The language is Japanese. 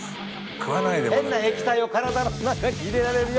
変な液体を体の中に入れられるよ。